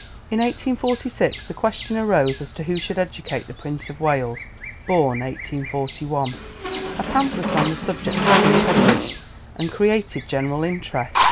In 1846 the question arose as to who should educate the Prince of Wales (born 1841). A pamphlet on the subject had been published and created general interest.